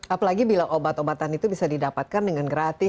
apalagi bila obat obatan itu bisa didapatkan dengan gratis